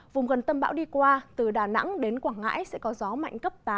vùng gần tâm bão đi qua từ đà nẵng đến quảng ngãi sẽ có gió mạnh cấp tám